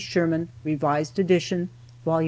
Sherman, revised edition, Vol.